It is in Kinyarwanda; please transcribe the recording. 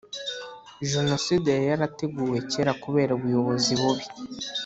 Jenoside yari yarateguwe kera kubera ubuyobozi bubi